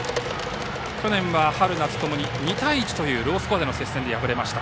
去年は春夏共に２対１というロースコアでの接戦で敗れました。